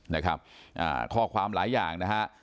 นะครับอ่าข้อความหลายอย่างนะฮะ